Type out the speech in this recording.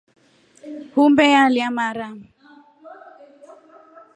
Humbe yelya mara.